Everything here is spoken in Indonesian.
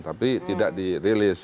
tapi tidak di rilis